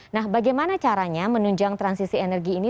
nah bagaimana caranya menunjang transisi energi ini